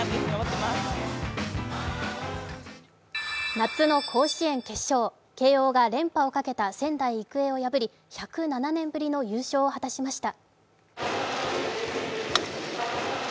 夏の甲子園決勝慶応が連覇をかけた仙台育英を破り１０７年ぶりの優勝を果たしました。